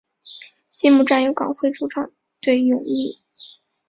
揭幕战由港会主场对永义。